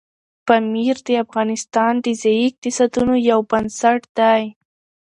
پامیر د افغانستان د ځایي اقتصادونو یو بنسټ دی.